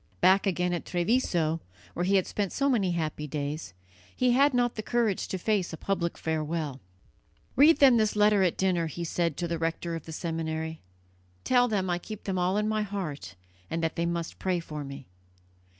Back again at Treviso, where he had spent so many happy days, he had not the courage to face a public farewell. "Read them this letter at dinner," he said to the rector of the seminary; "tell them I keep them all in my heart, and that they must pray for me."